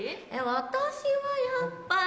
私はやっぱり。